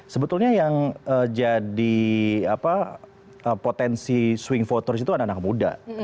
sebetulnya yang jadi potensi swing voters itu anak anak muda